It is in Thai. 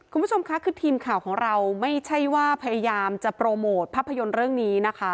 คุณผู้ชมค่ะคือทีมข่าวของเราไม่ใช่ว่าพยายามจะโปรโมทภาพยนตร์เรื่องนี้นะคะ